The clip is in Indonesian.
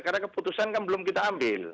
karena keputusan kan belum kita ambil